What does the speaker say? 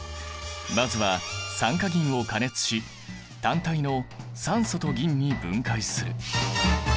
まずは酸化銀を加熱し単体の酸素と銀に分解する。